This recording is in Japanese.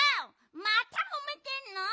またもめてんの？